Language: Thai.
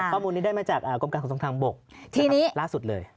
ข้อมูลนี้ได้มาจากกรมการขนส่งทางบกล่าสุดเลย